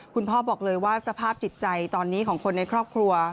คุณพ่อบอกเลยว่าสภาพจิตใจตอนนี้ของคนในครอบครัว